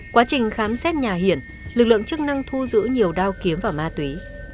quá trình khám xét nhà hiển lực lượng chức năng thu giữ nhiều đao kiếm và ma túy